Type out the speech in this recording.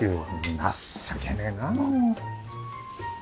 情けねえなもう。